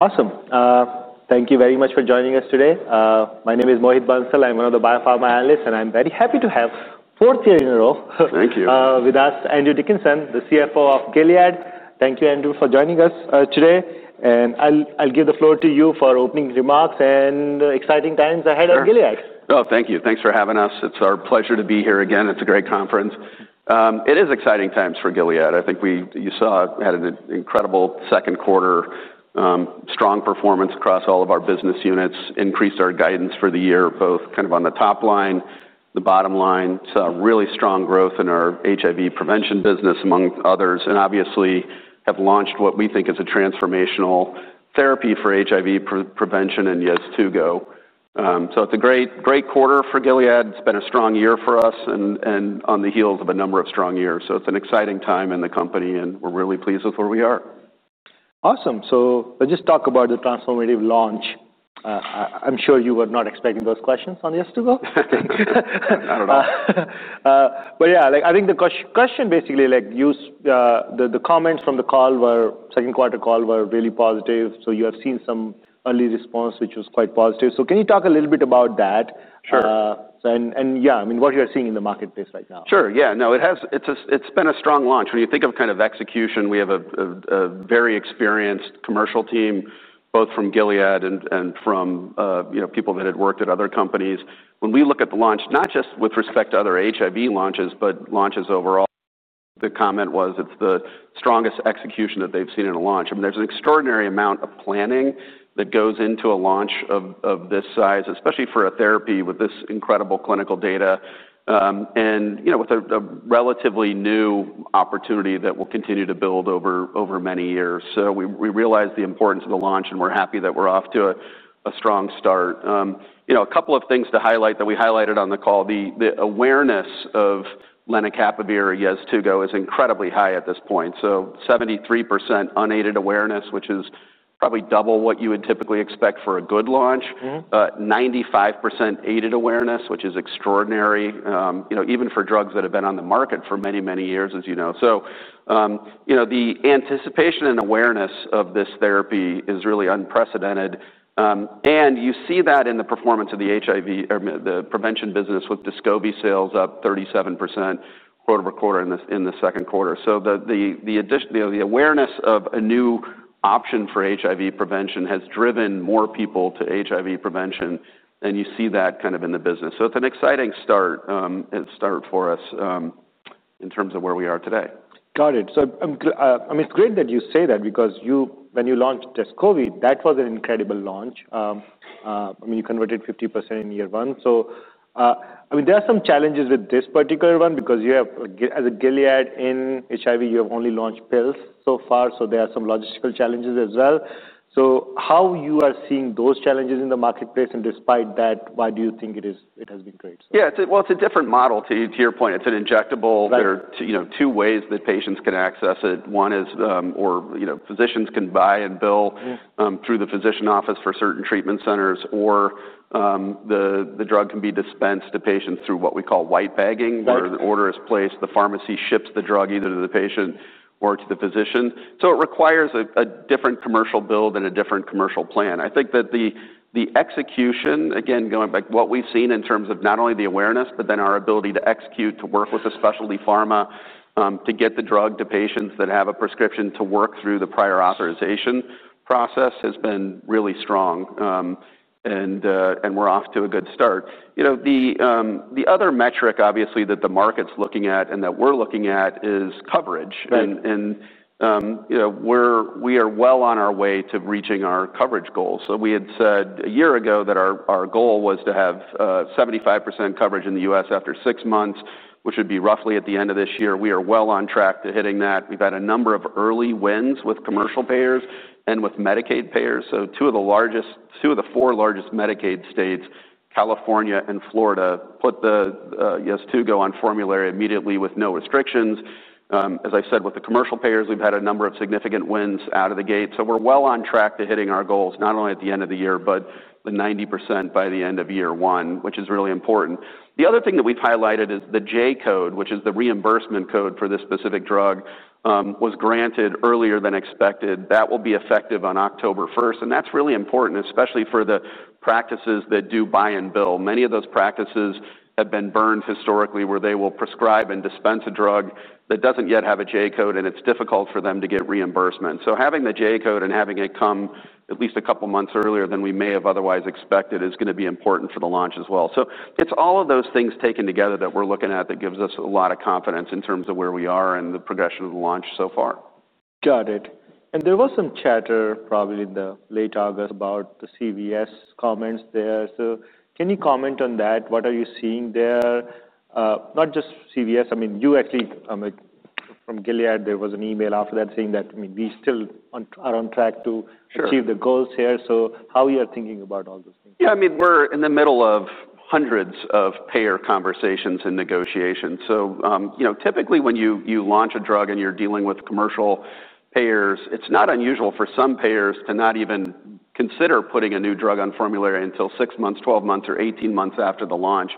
... Awesome. Thank you very much for joining us today. My name is Mohit Bansal. I'm one of the biopharma analysts, and I'm very happy to have, fourth year in a row, - Thank you. With us, Andrew Dickinson, the CFO of Gilead. Thank you, Andrew, for joining us today, and I'll give the floor to you for opening remarks and exciting times ahead on Gilead. Sure. Oh, thank you. Thanks for having us. It's our pleasure to be here again. It's a great conference. It is exciting times for Gilead. I think you saw we had an incredible Q2, strong performance across all of our business units, increased our guidance for the year, both kind of on the top line, the bottom line. Saw really strong growth in our HIV prevention business, among others, and obviously have launched what we think is a transformational therapy for HIV prevention in Sunlenca. So it's a great, great quarter for Gilead. It's been a strong year for us and on the heels of a number of strong years. It's an exciting time in the company, and we're really pleased with where we are. Awesome. So let's just talk about the transformative launch. I'm sure you were not expecting those questions on Sunlenca. I don't know. But yeah, like, I think the question, basically, like, you see, the comments from the Q2 call were really positive, so you have seen some early response, which was quite positive. So can you talk a little bit about that? Sure. And yeah, I mean, what you are seeing in the marketplace right now. Sure. Yeah, no, it has. It's a, it's been a strong launch. When you think of kind of execution, we have a very experienced commercial team, both from Gilead and from, you know, people that had worked at other companies. When we look at the launch, not just with respect to other HIV launches, but launches overall, the comment was, it's the strongest execution that they've seen in a launch. I mean, there's an extraordinary amount of planning that goes into a launch of this size, especially for a therapy with this incredible clinical data, and, you know, with a relatively new opportunity that will continue to build over many years. So we realize the importance of the launch, and we're happy that we're off to a strong start. you know, a couple of things to highlight that we highlighted on the call, the awareness of lenacapavir, Descovy, is incredibly high at this point, so 73% unaided awareness, which is probably double what you would typically expect for a good launch. Mm-hmm. 95% unaided awareness, which is extraordinary, you know, even for drugs that have been on the market for many, many years, as you know. So, you know, the anticipation and awareness of this therapy is really unprecedented. And you see that in the performance of the HIV, the prevention business with Descovy sales up 37% quarter over quarter in the Q2. So the addition, you know, the awareness of a new option for HIV prevention has driven more people to HIV prevention, and you see that kind of in the business. So it's an exciting start and start for us in terms of where we are today. Got it. I mean, it's great that you say that because you... When you launched Descovy, that was an incredible launch. I mean, you converted 50% in year one. So, I mean, there are some challenges with this particular one because you have, as a Gilead in HIV, you have only launched pills so far, so there are some logistical challenges as well. So how you are seeing those challenges in the marketplace, and despite that, why do you think it is, it has been great? Yeah, it's... Well, it's a different model. To your point, it's an injectable. Right. There are, you know, two ways that patients can access it. One is, you know, physicians can buy and bill- Mm. through the physician office for certain treatment centers, or, the drug can be dispensed to patients through what we call white bagging. Right... where the order is placed, the pharmacy ships the drug either to the patient or to the physician. So it requires a different commercial build and a different commercial plan. I think that the execution, again, going back, what we've seen in terms of not only the awareness but then our ability to execute, to work with the specialty pharma, to get the drug to patients that have a prescription to work through the prior authorization process, has been really strong. And we're off to a good start. You know, the other metric, obviously, that the market's looking at and that we're looking at is coverage. Right. You know, we're, we are well on our way to reaching our coverage goals. So we had said a year ago that our goal was to have 75% coverage in the U.S. after six months, which would be roughly at the end of this year. We are well on track to hitting that. We've had a number of early wins with commercial payers and with Medicaid payers, so two of the largest two of the four largest Medicaid states, California and Florida, put the Sunlenca on formulary immediately with no restrictions. As I said, with the commercial payers, we've had a number of significant wins out of the gate. So we're well on track to hitting our goals, not only at the end of the year, but the 90% by the end of year one, which is really important. The other thing that we've highlighted is the J-code, which is the reimbursement code for this specific drug, was granted earlier than expected. That will be effective on October first, and that's really important, especially for the practices that do buy and bill. Many of those practices have been burned historically, where they will prescribe and dispense a drug that doesn't yet have a J-code, and it's difficult for them to get reimbursement. So having the J-code and having it come at least a couple months earlier than we may have otherwise expected is gonna be important for the launch as well. So it's all of those things taken together that we're looking at that gives us a lot of confidence in terms of where we are and the progression of the launch so far. Got it, and there was some chatter, probably in the late August, about the CVS comments there. So can you comment on that? What are you seeing there? Not just CVS, I mean, you actually, from Gilead, there was an email after that saying that, I mean, we are on track to- Sure achieve the goals here. So how you are thinking about all those things? Yeah, I mean, we're in the middle of hundreds of payer conversations and negotiations. So, you know, typically when you launch a drug and you're dealing with commercial payers, it's not unusual for some payers to not even consider putting a new drug on formulary until six months, twelve months, or eighteen months after the launch.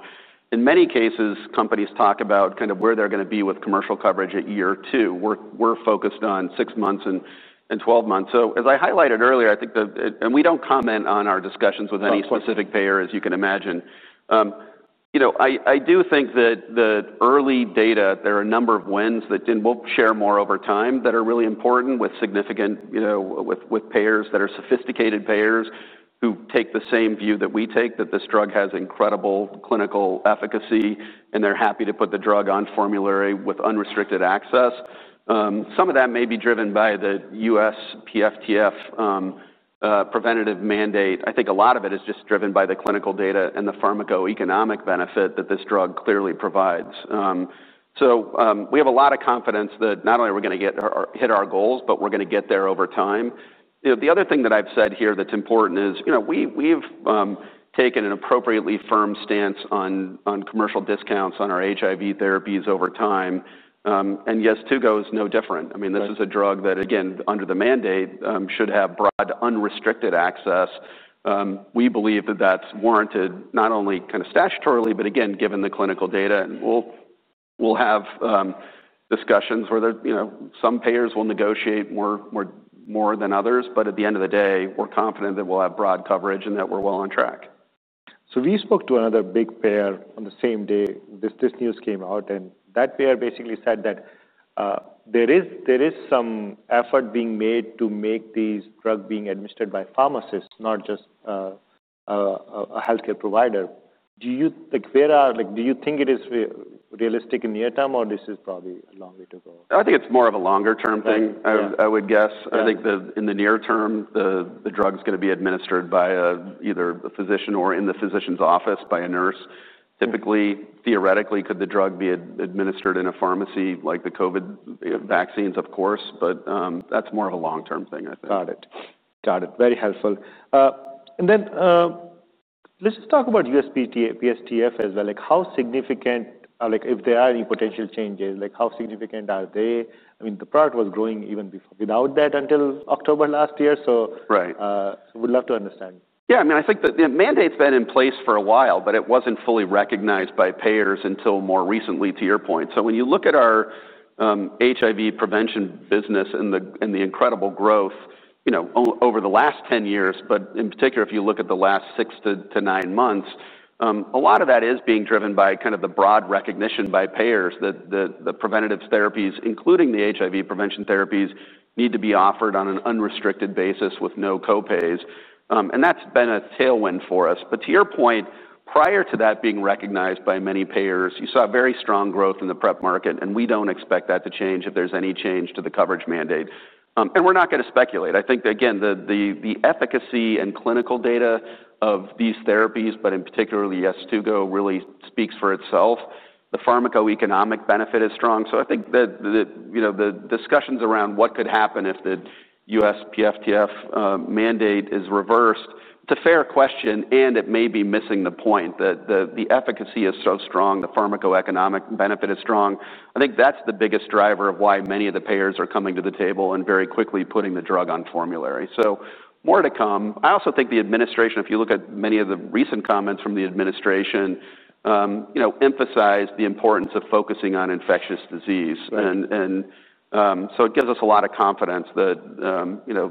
In many cases, companies talk about kind of where they're gonna be with commercial coverage at year two. We're focused on six months and twelve months. So as I highlighted earlier, I think that, and we don't comment on our discussions with any specific payer, as you can imagine. You know, I, I do think that the early data, there are a number of wins that, and we'll share more over time, that are really important with significant, you know, with payers that are sophisticated payers who take the same view that we take, that this drug has incredible clinical efficacy, and they're happy to put the drug on formulary with unrestricted access. Some of that may be driven by the USPSTF preventive mandate. I think a lot of it is just driven by the clinical data and the pharmacoeconomic benefit that this drug clearly provides. We have a lot of confidence that not only are we gonna get our hit our goals, but we're gonna get there over time. You know, the other thing that I've said here that's important is, you know, we've taken an appropriately firm stance on commercial discounts on our HIV therapies over time. And yes, Sunlenca is no different. I mean, this is a drug that, again, under the mandate, should have broad, unrestricted access. We believe that that's warranted not only kind of statutorily, but again, given the clinical data. And we'll have discussions whether, you know, some payers will negotiate more than others, but at the end of the day, we're confident that we'll have broad coverage and that we're well on track. So we spoke to another big payer on the same day this news came out, and that payer basically said that there is some effort being made to make this drug being administered by pharmacists, not just a healthcare provider. Like, do you think it is realistic in near term, or this is probably a long way to go? I think it's more of a longer-term thing. Right. Yeah. I would guess. Yeah. I think in the near term, the drug's gonna be administered by either a physician or in the physician's office by a nurse. Typically, theoretically, could the drug be administered in a pharmacy, like the COVID vaccines? Of course, but that's more of a long-term thing, I think. Got it. Got it. Very helpful, and then, let's just talk about USPSTF as well. Like, how significant... Like, if there are any potential changes, like, how significant are they? I mean, the product was growing even before... without that until October last year, so- Right. So would love to understand. Yeah, I mean, I think the mandate's been in place for a while, but it wasn't fully recognized by payers until more recently, to your point. So when you look at our HIV prevention business and the incredible growth, you know, over the last 10 years, but in particular, if you look at the last six to nine months, a lot of that is being driven by kind of the broad recognition by payers that the preventative therapies, including the HIV prevention therapies, need to be offered on an unrestricted basis with no co-pays. And that's been a tailwind for us. But to your point, prior to that being recognized by many payers, you saw very strong growth in the PrEP market, and we don't expect that to change if there's any change to the coverage mandate. And we're not gonna speculate. I think, again, the efficacy and clinical data of these therapies, but in particularly, Descovy, really speaks for itself. The pharmacoeconomic benefit is strong. So I think that the, you know, the discussions around what could happen if the USPSTF mandate is reversed, it's a fair question, and it may be missing the point. The efficacy is so strong, the pharmacoeconomic benefit is strong. I think that's the biggest driver of why many of the payers are coming to the table and very quickly putting the drug on formulary. So more to come. I also think the administration, if you look at many of the recent comments from the administration, you know, emphasize the importance of focusing on infectious disease. Right. It gives us a lot of confidence that, you know,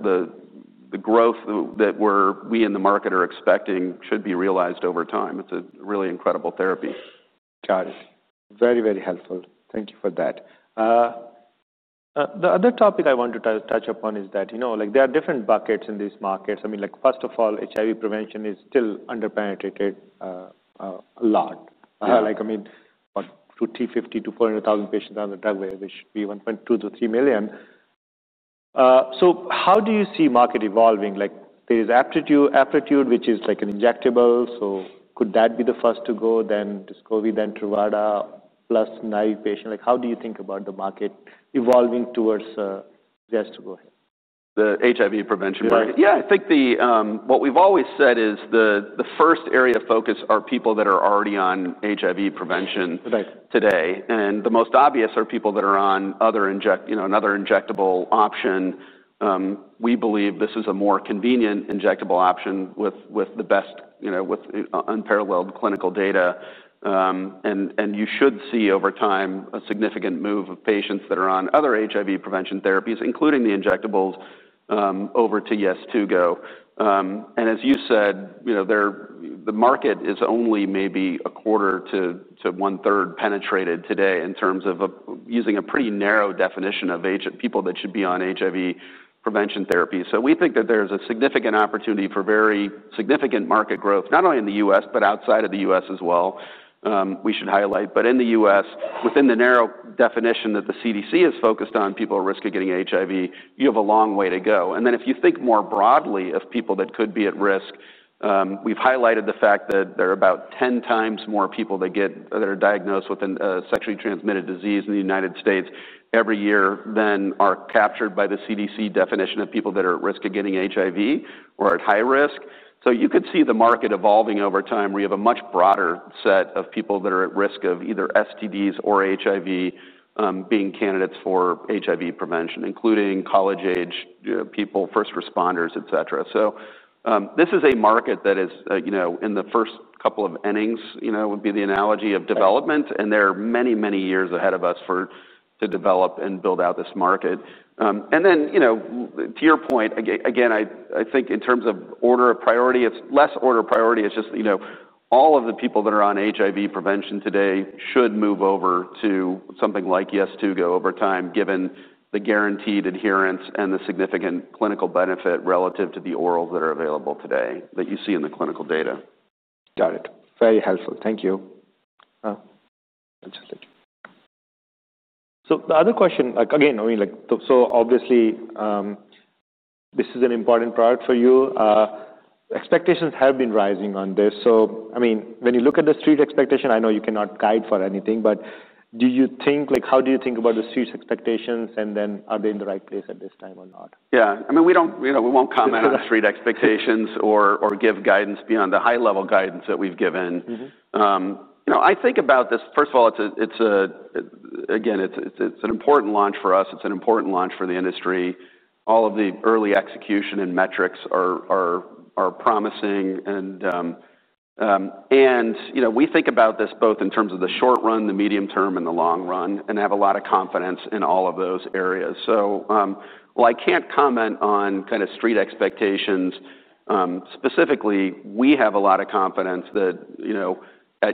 the growth that we in the market are expecting should be realized over time. It's a really incredible therapy. Got it. Very, very helpful. Thank you for that. The other topic I want to touch upon is that, you know, like, there are different buckets in these markets. I mean, like, first of all, HIV prevention is still underpenetrated a lot. Yeah. Like, I mean, what, 250-400 thousand patients on the drug, which should be 1.2-3 million. So how do you see market evolving? Like, there's Apretude, which is like an injectable, so could that be the first to go, then Descovy, then Truvada, plus naive patient? Like, how do you think about the market evolving towards, Sunlenca? The HIV prevention market? Right. Yeah, I think what we've always said is the first area of focus are people that are already on HIV prevention- Right -today, and the most obvious are people that are on other inject... you know, another injectable option. We believe this is a more convenient injectable option with the best, you know, with unparalleled clinical data. And you should see over time, a significant move of patients that are on other HIV prevention therapies, including the injectables, over to Sunlenca. And as you said, you know, they're the market is only maybe a quarter to one-third penetrated today in terms of a, using a pretty narrow definition of HIV people that should be on HIV prevention therapy. So we think that there's a significant opportunity for very significant market growth, not only in the U.S., but outside of the U.S. as well, we should highlight. But in the US, within the narrow definition that the CDC is focused on, people at risk of getting HIV, you have a long way to go. And then, if you think more broadly of people that could be at risk, we've highlighted the fact that there are about ten times more people that are diagnosed with a sexually transmitted disease in the United States every year than are captured by the CDC definition of people that are at risk of getting HIV or at high risk. So you could see the market evolving over time, where you have a much broader set of people that are at risk of either STDs or HIV, being candidates for HIV prevention, including college-age people, first responders, et cetera. This is a market that is, you know, in the first couple of innings, you know, would be the analogy of development, and there are many, many years ahead of us for to develop and build out this market. And then, you know, to your point, again, I think in terms of order of priority, it's less order of priority. It's just, you know, all of the people that are on HIV prevention today should move over to something like Sunlenca over time, given the guaranteed adherence and the significant clinical benefit relative to the orals that are available today, that you see in the clinical data. Got it. Very helpful. Thank you. So the other question, like, again, I mean, like, so obviously, this is an important product for you. Expectations have been rising on this, so, I mean, when you look at the street expectation, I know you cannot guide for anything, but do you think, like, how do you think about the street's expectations, and then are they in the right place at this time or not? Yeah. I mean, we don't, you know, we won't comment on street expectations or give guidance beyond the high-level guidance that we've given. Mm-hmm. You know, I think about this. First of all, again, it's an important launch for us. It's an important launch for the industry. All of the early execution and metrics are promising, and you know, we think about this both in terms of the short run, the medium term, and the long run, and have a lot of confidence in all of those areas. So, while I can't comment on kinda street expectations specifically, we have a lot of confidence that, you know,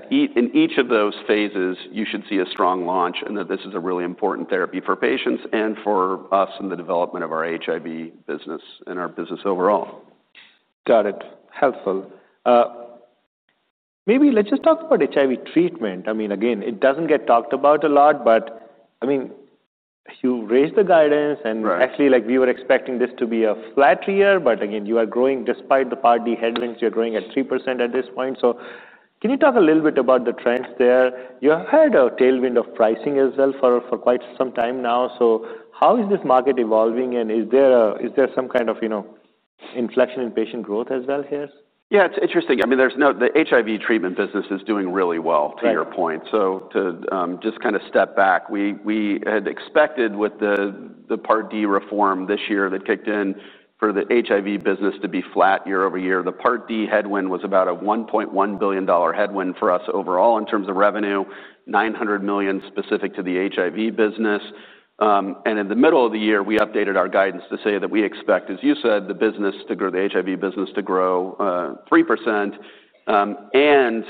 in each of those phases, you should see a strong launch, and that this is a really important therapy for patients and for us in the development of our HIV business and our business overall. Got it. Helpful. Maybe let's just talk about HIV treatment. I mean, again, it doesn't get talked about a lot, but, I mean, you raised the guidance and- Right... actually, like, we were expecting this to be a flat year. But again, you are growing despite the Part D headwinds. You're growing at 3% at this point. So can you talk a little bit about the trends there? You have had a tailwind of pricing as well for quite some time now. So how is this market evolving, and is there some kind of, you know, inflection in patient growth as well here? Yeah, it's interesting. I mean, the HIV treatment business is doing really well- Right... to your point. So to just kinda step back, we had expected with the Part D reform this year that kicked in for the HIV business to be flat year over year. The Part D headwind was about a $1.1 billion headwind for us overall in terms of revenue, $900 million specific to the HIV business. And in the middle of the year, we updated our guidance to say that we expect, as you said, the business to grow, the HIV business to grow, 3%, and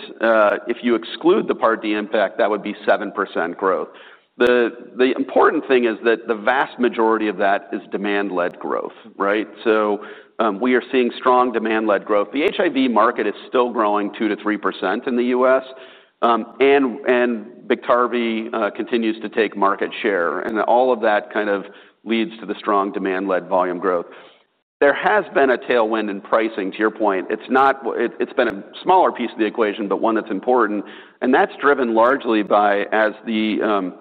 if you exclude the Part D impact, that would be 7% growth. The important thing is that the vast majority of that is demand-led growth, right? So, we are seeing strong demand-led growth. The HIV market is still growing 2-3% in the U.S., and Biktarvy continues to take market share, and all of that kind of leads to the strong demand-led volume growth. There has been a tailwind in pricing, to your point. It's been a smaller piece of the equation, but one that's important, and that's driven largely by, as the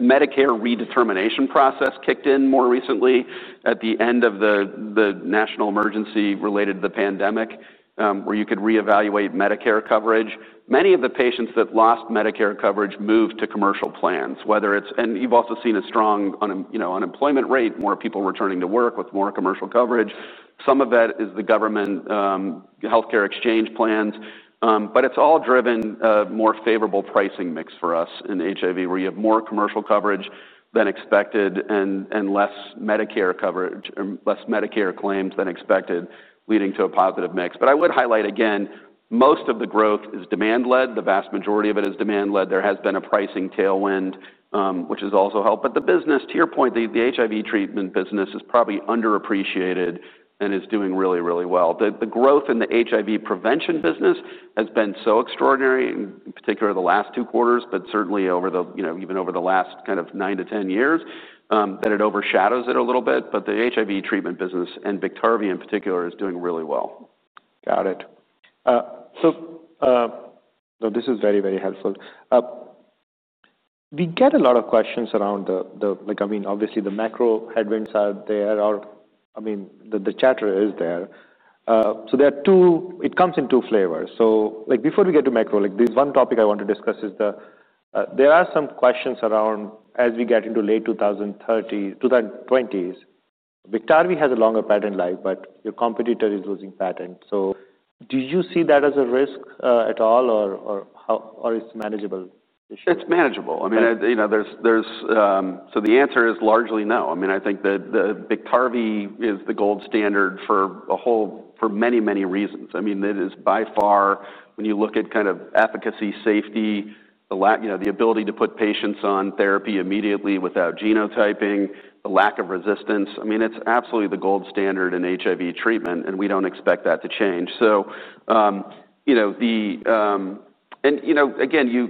Medicare redetermination process kicked in more recently at the end of the national emergency related to the pandemic, where you could reevaluate Medicare coverage. Many of the patients that lost Medicare coverage moved to commercial plans, whether it's. We've also seen a strong unemployment rate, you know, more people returning to work with more commercial coverage. Some of that is the government, healthcare exchange plans, but it's all driven a more favorable pricing mix for us in HIV, where you have more commercial coverage than expected and less Medicare coverage, or less Medicare claims than expected, leading to a positive mix. But I would highlight again, most of the growth is demand-led. The vast majority of it is demand-led. There has been a pricing tailwind, which has also helped. But the business, to your point, the HIV treatment business is probably underappreciated and is doing really, really well. The growth in the HIV prevention business has been so extraordinary, in particular the last two quarters, but certainly over the, you know, even over the last kind of nine to ten years, that it overshadows it a little bit. But the HIV treatment business, and Biktarvy in particular, is doing really well. Got it. So this is very, very helpful. We get a lot of questions around the... Like, I mean, obviously the macro headwinds are there, or, I mean, the chatter is there. So there are two-- It comes in two flavors. So, like, before we get to macro, like, there's one topic I want to discuss is the, there are some questions around as we get into late two thousand thirty, two thousand twenties, Biktarvy has a longer patent life, but your competitor is losing patent. So do you see that as a risk, at all, or, or how, or it's manageable issue? It's manageable. Right. I mean, you know, there's. So the answer is largely no. I mean, I think that the Biktarvy is the gold standard for a whole, for many, many reasons. I mean, it is by far, when you look at kind of efficacy, safety, you know, the ability to put patients on therapy immediately without genotyping, the lack of resistance, I mean, it's absolutely the gold standard in HIV treatment, and we don't expect that to change. So, you know, the. And, you know, again, you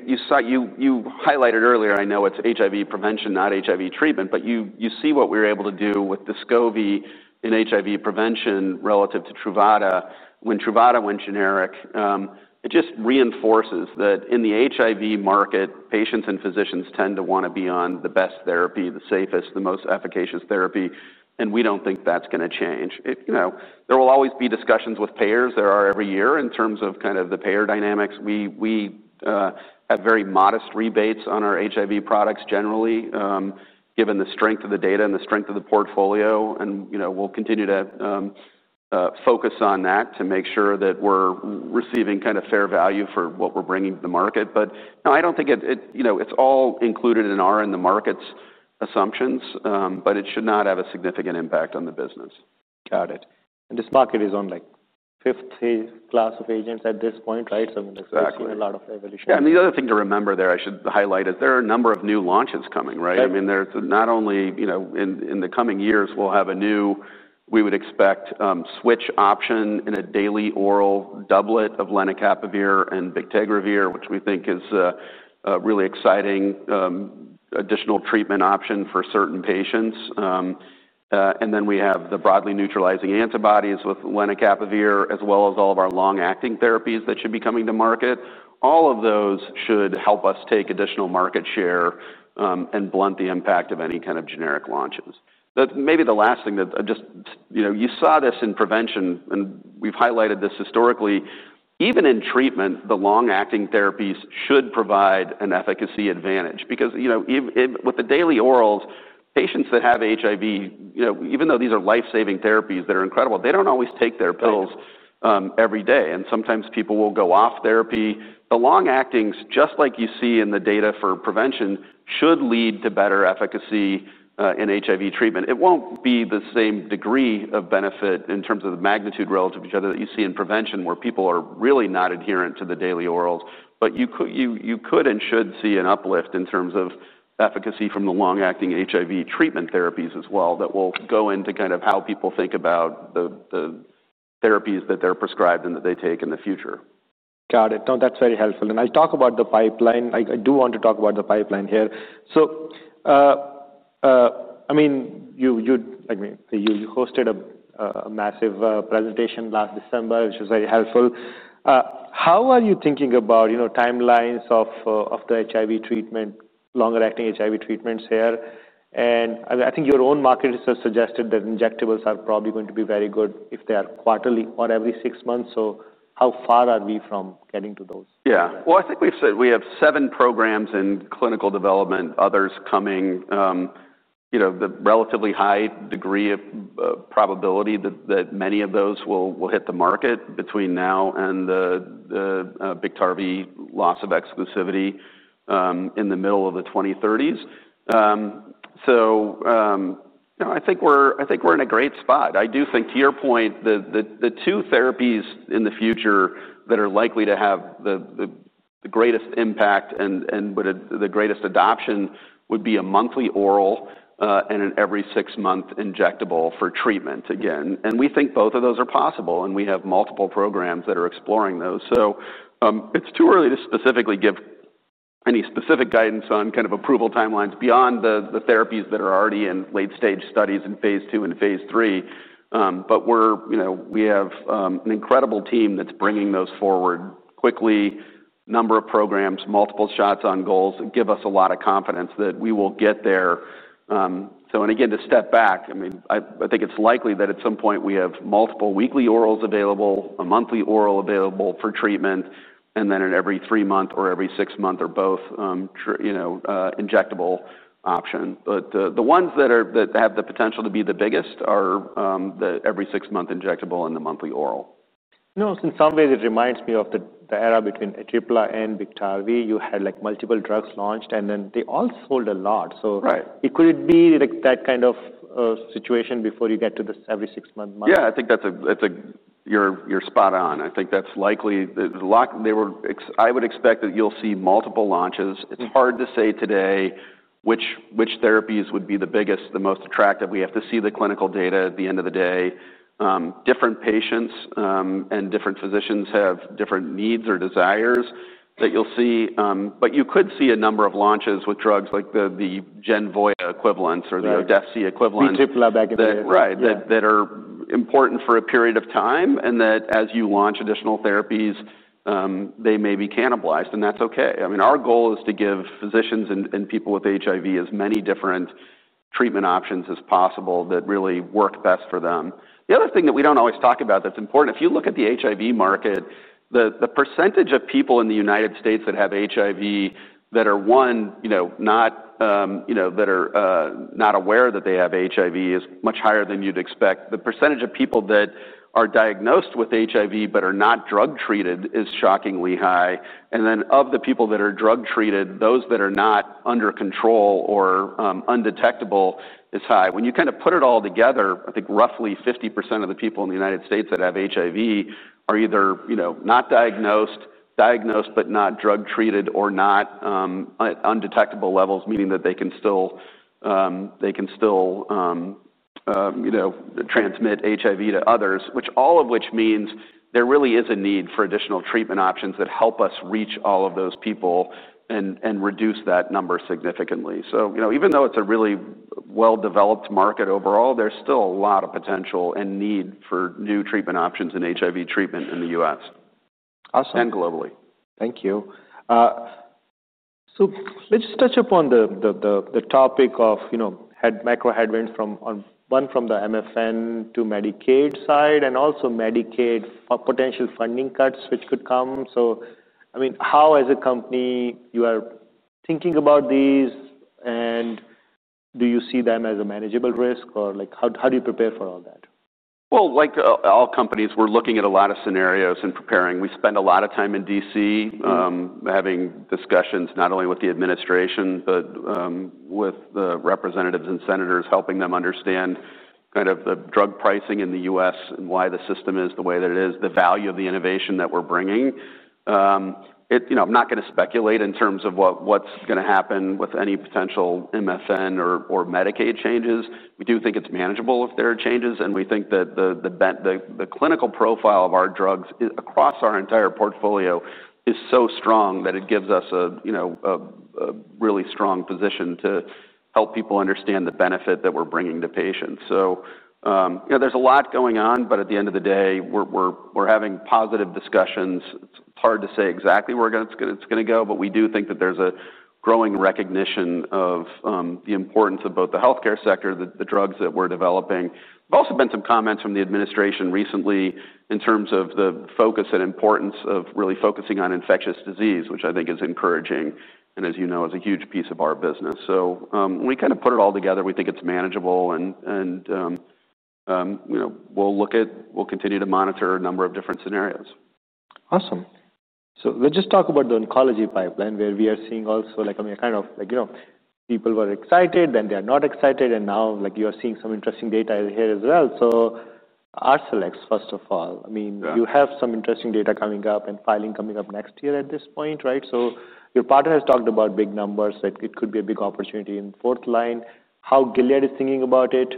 highlighted earlier, I know it's HIV prevention, not HIV treatment, but you see what we're able to do with Descovy in HIV prevention relative to Truvada. When Truvada went generic, it just reinforces that in the HIV market, patients and physicians tend to wanna be on the best therapy, the safest, the most efficacious therapy, and we don't think that's gonna change. It, you know, there will always be discussions with payers. There are every year in terms of kind of the payer dynamics. We have very modest rebates on our HIV products generally, given the strength of the data and the strength of the portfolio, and, you know, we'll continue to focus on that to make sure that we're receiving kind of fair value for what we're bringing to the market. But no, I don't think it. You know, it's all included in our, in the market's assumptions, but it should not have a significant impact on the business. Got it and this market is on, like, fifth phase class of agents at this point, right? Exactly. It's seen a lot of evolution. Yeah, and the other thing to remember there, I should highlight, is there are a number of new launches coming, right? Right. I mean, there's not only, you know. In the coming years, we'll have a new, we would expect, switch option in a daily oral doublet of lenacapavir and bictegravir, which we think is a really exciting additional treatment option for certain patients. And then we have the broadly neutralizing antibodies with lenacapavir, as well as all of our long-acting therapies that should be coming to market. All of those should help us take additional market share, and blunt the impact of any kind of generic launches. But maybe the last thing that I just, you know, you saw this in prevention, and we've highlighted this historically. Even in treatment, the long-acting therapies should provide an efficacy advantage because, you know, even with the daily orals, patients that have HIV, you know, even though these are life-saving therapies that are incredible, they don't always take their pills- Right... every day, and sometimes people will go off therapy. The long-actings, just like you see in the data for prevention, should lead to better efficacy in HIV treatment. It won't be the same degree of benefit in terms of the magnitude relative to each other that you see in prevention, where people are really not adherent to the daily orals. But you could and should see an uplift in terms of efficacy from the long-acting HIV treatment therapies as well. That will go into kind of how people think about the therapies that they're prescribed and that they take in the future. Got it. No, that's very helpful, and I'll talk about the pipeline. I do want to talk about the pipeline here. So, I mean, you hosted a massive presentation last December, which was very helpful. How are you thinking about, you know, timelines of the HIV treatment, longer-acting HIV treatments here? And I think your own market research suggested that injectables are probably going to be very good if they are quarterly or every six months. So how far are we from getting to those? Yeah. Well, I think we've said we have seven programs in clinical development, others coming, you know, the relatively high degree of probability that many of those will hit the market between now and the Biktarvy loss of exclusivity in the middle of the twenty thirties. So, you know, I think we're in a great spot. I do think, to your point, the two therapies in the future that are likely to have the greatest impact and would have the greatest adoption would be a monthly oral and an every six-month injectable for treatment again, and we think both of those are possible, and we have multiple programs that are exploring those. So, it's too early to specifically give any specific guidance on kind of approval timelines beyond the therapies that are already in late-stage studies in phase two and phase three. But we're you know, we have an incredible team that's bringing those forward quickly. Number of programs, multiple shots on goals, give us a lot of confidence that we will get there. So and again, to step back, I mean, I think it's likely that at some point we have multiple weekly orals available, a monthly oral available for treatment, and then an every three-month or every six-month or both, injectable option. But the ones that have the potential to be the biggest are the every six-month injectable and the monthly oral. You know, in some ways, it reminds me of the era between Atripla and Biktarvy. You had, like, multiple drugs launched, and then they all sold a lot. Right. So could it be like that kind of situation before you get to this every six-month, monthly? Yeah, I think that's a... You're spot on. I think that's likely. There's a lot... I would expect that you'll see multiple launches. Mm. It's hard to say today which therapies would be the biggest, the most attractive. We have to see the clinical data at the end of the day. Different patients and different physicians have different needs or desires that you'll see. But you could see a number of launches with drugs like the Genvoya equivalents- Right - or the Odefsey equivalents- Atripla back in the day. Right. Yeah. That, that are important for a period of time, and that as you launch additional therapies, they may be cannibalized, and that's okay. I mean, our goal is to give physicians and people with HIV as many different treatment options as possible that really work best for them. The other thing that we don't always talk about that's important, if you look at the HIV market, the percentage of people in the United States that have HIV that are, one, you know, not aware that they have HIV is much higher than you'd expect. The percentage of people that are diagnosed with HIV but are not drug-treated is shockingly high, and then of the people that are drug-treated, those that are not under control or undetectable is high. When you kind of put it all together, I think roughly 50% of the people in the United States that have HIV are either, you know, not diagnosed, diagnosed but not drug-treated, or not at undetectable levels, meaning that they can still, you know, transmit HIV to others. Which, all of which means there really is a need for additional treatment options that help us reach all of those people and reduce that number significantly. So, you know, even though it's a really well-developed market overall, there's still a lot of potential and need for new treatment options in HIV treatment in the US- Awesome... and globally. Thank you. So let's just touch upon the topic of, you know, macro headwinds from the MFN to Medicaid side, and also Medicaid potential funding cuts, which could come. So, I mean, how, as a company, you are thinking about these, and do you see them as a manageable risk? Or, like, how do you PrEPare for all that? Like all companies, we're looking at a lot of scenarios and PrEParing. We spend a lot of time in DC, having discussions not only with the administration, but with the representatives and senators, helping them understand kind of the drug pricing in the US and why the system is the way that it is, the value of the innovation that we're bringing. You know, I'm not gonna speculate in terms of what's gonna happen with any potential MFN or Medicaid changes. We do think it's manageable if there are changes, and we think that the clinical profile of our drugs across our entire portfolio is so strong that it gives us a you know really strong position to help people understand the benefit that we're bringing to patients. So, you know, there's a lot going on, but at the end of the day, we're having positive discussions. It's hard to say exactly where it's gonna go, but we do think that there's a growing recognition of the importance of both the healthcare sector, the drugs that we're developing. There's also been some comments from the administration recently in terms of the focus and importance of really focusing on infectious disease, which I think is encouraging and, as you know, is a huge piece of our business. So, when we kind of put it all together, we think it's manageable and, you know, we'll look at. We'll continue to monitor a number of different scenarios. Awesome. So let's just talk about the oncology pipeline, where we are seeing also, like, I mean, kind of, like, you know, people were excited, then they are not excited, and now, like, you are seeing some interesting data here as well. So Arcellx, first of all, I mean- Yeah... you have some interesting data coming up and filing coming up next year at this point, right? So your partner has talked about big numbers, that it could be a big opportunity in fourth line. How Gilead is thinking about it,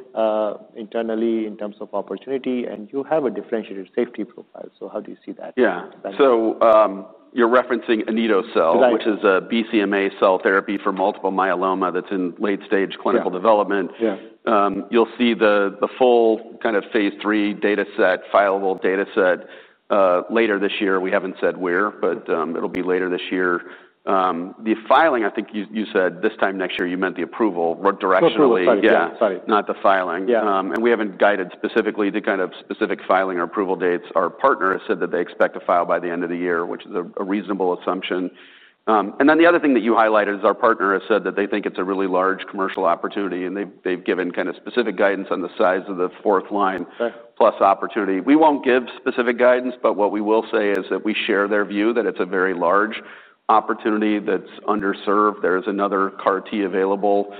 internally in terms of opportunity, and you have a differentiated safety profile, so how do you see that? Yeah, so you're referencing anito-cel- Right - which is a BCMA cell therapy for multiple myeloma that's in late-stage clinical development. Yeah, yeah. You'll see the full kind of phase III data set, fileable data set, later this year. We haven't said where, but it'll be later this year. The filing, I think you said this time next year, you meant the approval, directionally. Approval, sorry. Yeah, sorry. Yeah, not the filing. Yeah. And we haven't guided specifically the kind of specific filing or approval dates. Our partner has said that they expect to file by the end of the year, which is a reasonable assumption. And then the other thing that you highlighted is our partner has said that they think it's a really large commercial opportunity, and they've given kind of specific guidance on the size of the fourth line- Right - plus opportunity. We won't give specific guidance, but what we will say is that we share their view that it's a very large opportunity that's underserved. There is another CAR T available,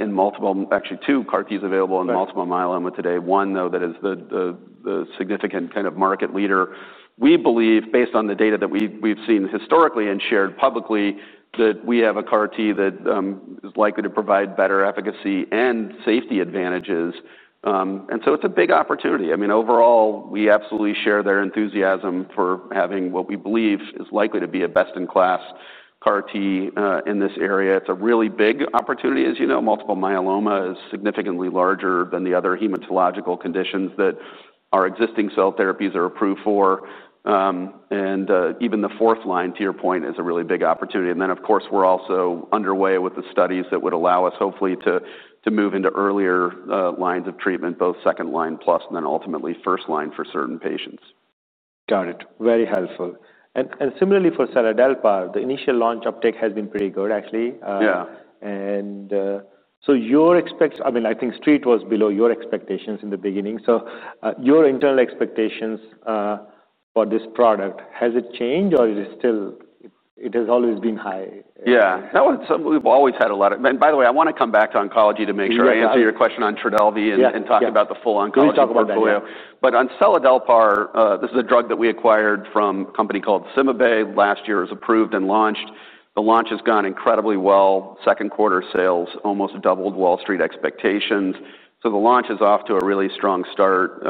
in multiple... Actually, two CAR Ts available- Right - in multiple myeloma today. One, though, that is the significant kind of market leader. We believe, based on the data that we've seen historically and shared publicly, that we have a CAR T that is likely to provide better efficacy and safety advantages. And so it's a big opportunity. I mean, overall, we absolutely share their enthusiasm for having what we believe is likely to be a best-in-class CAR T in this area. It's a really big opportunity. As you know, multiple myeloma is significantly larger than the other hematological conditions that our existing cell therapies are approved for. Even the fourth line, to your point, is a really big opportunity. Then, of course, we're also underway with the studies that would allow us, hopefully, to move into earlier lines of treatment, both second-line plus, and then ultimately first line for certain patients. Got it. Very helpful. And similarly for seladelpar, the initial launch uptake has been pretty good, actually. Yeah. And so your expectations, I mean, I think Street was below your expectations in the beginning. So, your internal expectations for this product, has it changed, or is it still... It has always been high? Yeah. No, it's, we've always had a lot of... And by the way, I wanna come back to oncology to make sure- Yeah I answer your question on Trodelvy. Yeah, yeah and talk about the full oncology portfolio. Please talk about that, yeah. But on seladelpar, this is a drug that we acquired from a company called CymaBay last year. It was approved and launched. The launch has gone incredibly well. Q2 sales almost doubled Wall Street expectations, so the launch is off to a really strong start.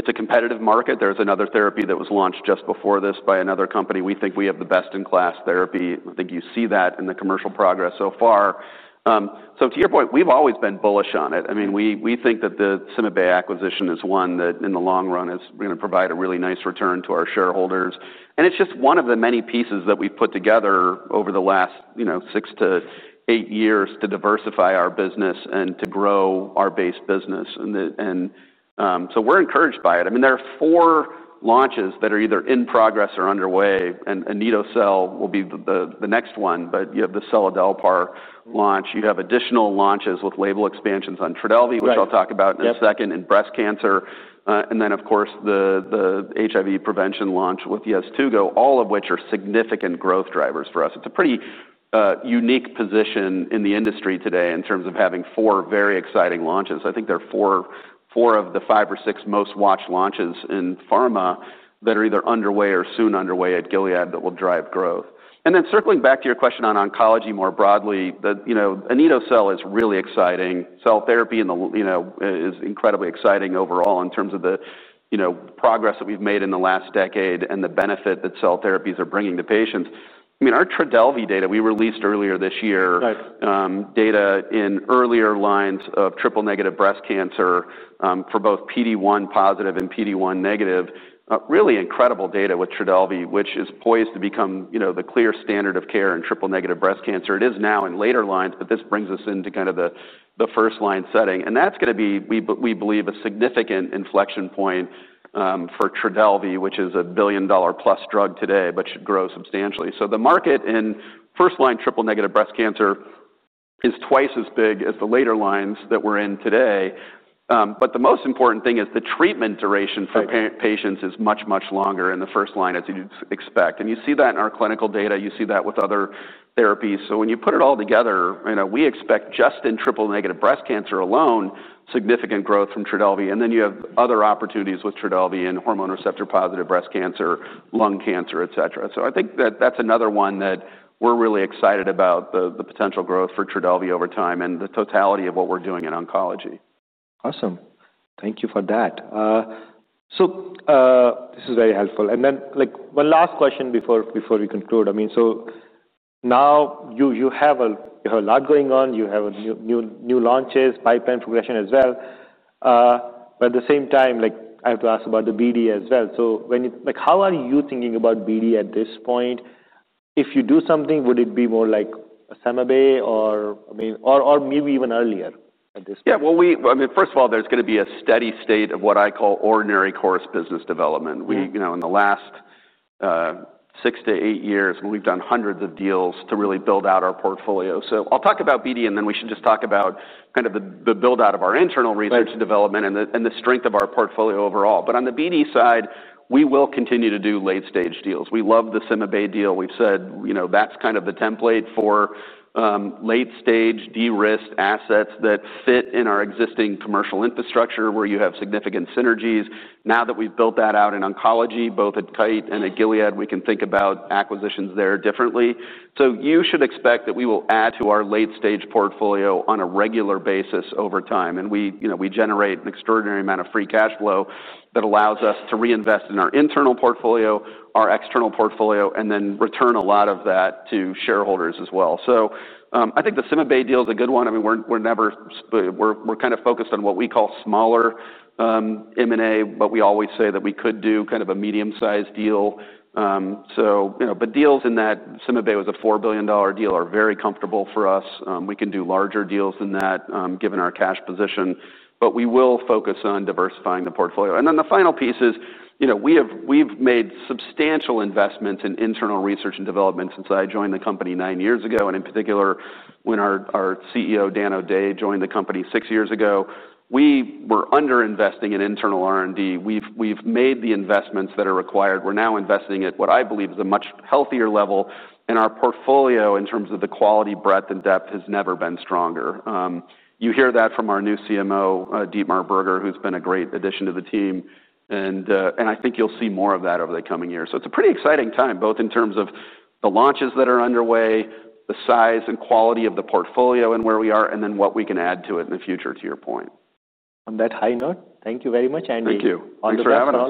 It's a competitive market. There's another therapy that was launched just before this by another company. We think we have the best-in-class therapy. I think you see that in the commercial progress so far. So to your point, we've always been bullish on it. I mean, we think that the CymaBay acquisition is one that, in the long run, is gonna provide a really nice return to our shareholders, and it's just one of the many pieces that we've put together over the last, you know, six to eight years to diversify our business and to grow our base business. We're encouraged by it. I mean, there are four launches that are either in progress or underway, and anito-cel will be the next one, but you have the seladelpar launch. You have additional launches with label expansions on Trodelvy. Right which I'll talk about in a second. Yeah - in breast cancer. And then, of course, the HIV prevention launch with Descovy, all of which are significant growth drivers for us. It's a pretty unique position in the industry today in terms of having four very exciting launches. I think there are four of the five or six most watched launches in pharma that are either underway or soon underway at Gilead that will drive growth. And then circling back to your question on oncology more broadly, you know, anito-cel is really exciting. Cell therapy and, you know, is incredibly exciting overall in terms of the, you know, progress that we've made in the last decade and the benefit that cell therapies are bringing to patients. I mean, our Trodelvy data we released earlier this year- Right. Data in earlier lines of triple-negative breast cancer, for both PD-1 positive and PD-1 negative. Really incredible data with Trodelvy, which is poised to become, you know, the clear standard of care in triple-negative breast cancer. It is now in later lines, but this brings us into kind of the first-line setting, and that's gonna be, we believe, a significant inflection point, for Trodelvy, which is a billion-dollar plus drug today, but should grow substantially. So the market in first-line triple-negative breast cancer is twice as big as the later lines that we're in today. But the most important thing is the treatment duration- Right For patients is much, much longer in the first line, as you'd expect. And you see that in our clinical data. You see that with other therapies. So when you put it all together, you know, we expect just in triple-negative breast cancer alone, significant growth from Trodelvy. And then you have other opportunities with Trodelvy in hormone receptor-positive breast cancer, lung cancer, et cetera. So I think that that's another one that we're really excited about, the potential growth for Trodelvy over time and the totality of what we're doing in oncology. Awesome. Thank you for that. So, this is very helpful. And then, like, one last question before we conclude. I mean, so now you have a lot going on. You have new launches, pipeline progression as well. But at the same time, like, I have to ask about the BD as well. So when... Like, how are you thinking about BD at this point? If you do something, would it be more like a CymaBay or, I mean, or maybe even earlier at this point? Yeah, well, I mean, first of all, there's gonna be a steady state of what I call ordinary course business development. Mm-hmm. We, you know, in the last six to eight years, we've done hundreds of deals to really build out our portfolio. So I'll talk about BD, and then we should just talk about kind of the build-out of our internal research- Right and development and the strength of our portfolio overall. But on the BD side, we will continue to do late-stage deals. We love the CymaBay deal. We've said, you know, that's kind of the template for late-stage, de-risked assets that fit in our existing commercial infrastructure, where you have significant synergies. Now that we've built that out in oncology, both at Kite and at Gilead, we can think about acquisitions there differently. So you should expect that we will add to our late-stage portfolio on a regular basis over time, and we, you know, we generate an extraordinary amount of free cash flow that allows us to reinvest in our internal portfolio, our external portfolio, and then return a lot of that to shareholders as well. So, I think the CymaBay deal is a good one. I mean, we're never... We're kind of focused on what we call smaller M&A, but we always say that we could do kind of a medium-sized deal. So, you know, but deals in that, CymaBay was a $4 billion deal, are very comfortable for us. We can do larger deals than that, given our cash position, but we will focus on diversifying the portfolio. And then the final piece is, you know, we've made substantial investments in internal research and development since I joined the company nine years ago, and in particular, when our CEO, Dan O'Day, joined the company six years ago. We were underinvesting in internal R&D. We've made the investments that are required. We're now investing at what I believe is a much healthier level, and our portfolio, in terms of the quality, breadth, and depth, has never been stronger. You hear that from our new CMO, Dietmar Berger, who's been a great addition to the team. And I think you'll see more of that over the coming years. So it's a pretty exciting time, both in terms of the launches that are underway, the size and quality of the portfolio and where we are, and then what we can add to it in the future, to your point. On that high note, thank you very much, and- Thank you. On behalf of-